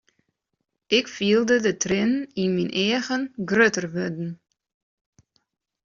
Ik fielde de triennen yn myn eagen grutter wurden.